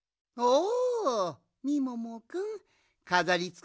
おお？